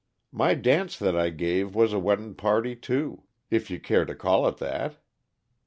My dance that I gave was a weddin' party, too, if you care to call it that.